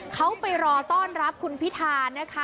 เขาไปรอต้อนรับคุณพิธานะคะ